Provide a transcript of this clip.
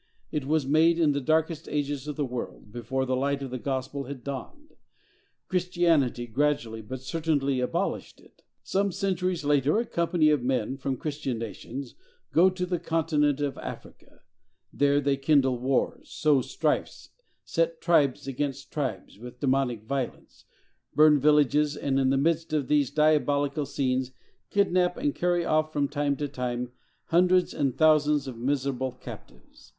It was made in the darkest ages of the world, before the light of the gospel had dawned. Christianity gradually but certainly abolished it. Some centuries later, a company of men, from Christian nations, go to the continent of Africa; there they kindle wars, sow strifes, set tribes against tribes with demoniac violence, burn villages, and in the midst of these diabolical scenes kidnap and carry off, from time to time, hundreds and thousands of miserable captives.